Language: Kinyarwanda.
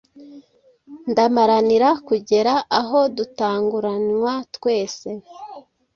ndamaranira kugera aho dutanguranwa twese